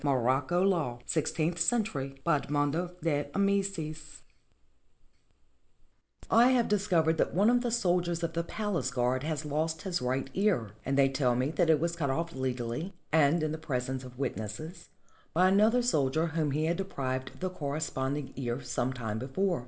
MOROCCO LAW [Sixteenth century] BY EDMONDO DE AMICIS I HAVE discovered that one of the soldiers of the palace guard has lost his right ear, and they tell me that it was cut off legally, and in the presence of witnesses, by another soldier whom he had deprived of the corre sponding ear sometime before.